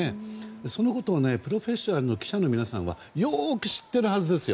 そのことをプロフェッショナルの記者の皆さんはよーく知ってるはずですよ。